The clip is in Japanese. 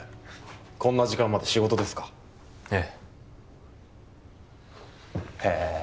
こんな時間まで仕事ですかええへ